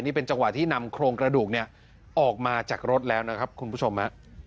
นี่เป็นจังหวะที่นำโครงกระดูกเนี่ยออกมาจากรถแล้วนะครับคุณผู้ชม